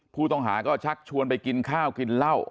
ผู้ต้องหาก็ชักชวนไปกินข้าวกินเหล้า